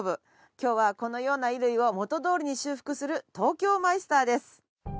今日はこのような衣類を元どおりに修復する東京マイスターです。